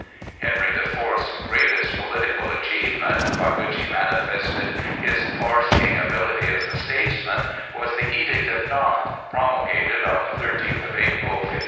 Henry the Fourth's greatest political achievement, by which he manifested his far seeing ability as a statesman, was the Edict of Nantes, promulgated on the thirteenth of April, 1598.